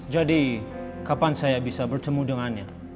jadi kapan saya bisa bertemu dengannya